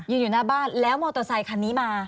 อยู่หน้าบ้านแล้วมอเตอร์ไซคันนี้มา